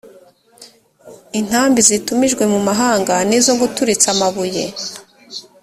intambi zatumijwe mu mahanga ni izo guturitsa amabuye